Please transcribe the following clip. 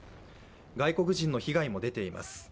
外国人の被害も出ています。